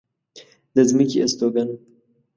د ځمکې استوگن